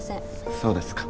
そうですか。